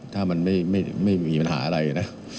ถ้ามันไม่มีปัญหาอะไรนะ